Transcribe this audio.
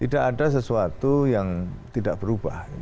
tidak ada sesuatu yang tidak berubah